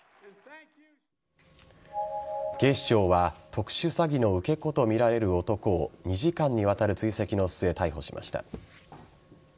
警視庁は特殊詐欺の受け子とみられる男を２時間にわたる追跡の末逮捕しました。